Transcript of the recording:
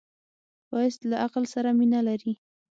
ښایست له عقل سره مینه لري